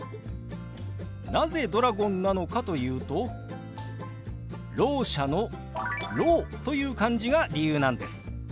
なぜドラゴンなのかというと聾者の「聾」という漢字が理由なんです。